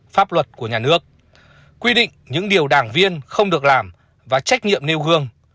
pháp luật của nhà nước quy định những điều đảng viên không được làm và trách nhiệm nêu gương